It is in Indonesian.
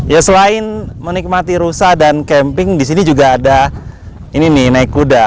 ya selain menikmati rusa dan camping di sini juga ada ini nih naik kuda